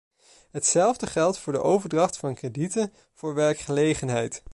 Hetzelfde geldt voor de overdracht van kredieten voor werkgelegenheid.